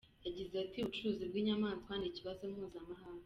Yagize ati “Ubucuruzi bw’inyamaswa ni ikibazo mpuzamahanga.